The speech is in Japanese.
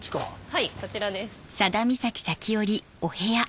はいこちらです。